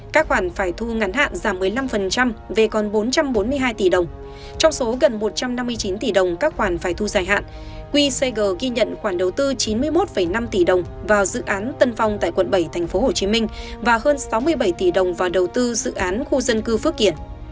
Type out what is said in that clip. các khoản phải thu ngắn hạn giảm một mươi năm về còn bốn trăm bốn mươi hai tỷ đồng trong số gần một trăm năm mươi chín tỷ đồng các khoản phải thu dài hạn qcg ghi nhận khoản đầu tư chín mươi một năm tỷ đồng vào dự án tân phong tại quận bảy tp hcm và hơn sáu mươi bảy tỷ đồng vào đầu tư dự án khu dân cư phước kiển